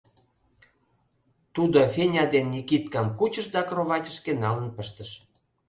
— Тудо Феня ден Никиткам кучыш да кроватьышке налын пыштыш.